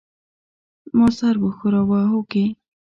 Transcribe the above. ما سر وښوراوه هوکې.